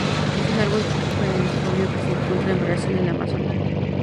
Es un árbol perennifolio que se encuentra en Brasil en la Amazonia.